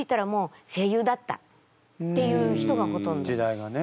時代がね。